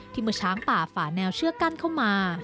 เมื่อช้างป่าฝ่าแนวเชือกกั้นเข้ามา